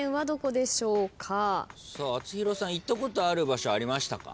アツヒロさん行ったことある場所ありましたか？